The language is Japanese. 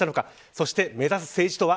そして、目指す政治とは。